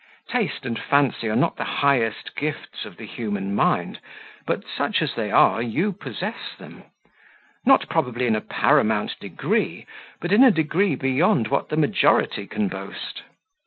Taste and fancy are not the highest gifts of the human mind, but such as they are you possess them not probably in a paramount degree, but in a degree beyond what the majority can boast.